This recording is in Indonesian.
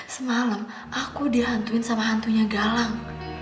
semalam aku dihantuin sama hantunya galang